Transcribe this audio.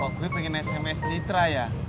oh gue pengen sms citra ya